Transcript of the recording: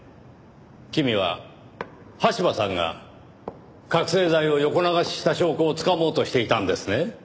君は羽柴さんが覚醒剤を横流しした証拠をつかもうとしていたんですね。